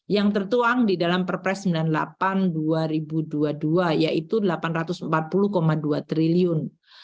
yang tertuang di dalam perpres sembilan puluh delapan dua ribu dua puluh dua yaitu rp delapan ratus empat puluh dua triliun